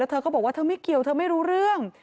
เธอก็บอกว่าเธอไม่เกี่ยวเธอไม่รู้เรื่อง